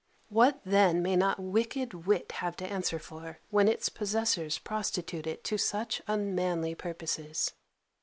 What then may not wicked wit have to answer for, when its possessors prostitute it to such unmanly purposes!